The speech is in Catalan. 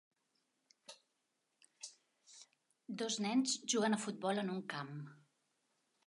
Dos nens juguen a futbol en un camp.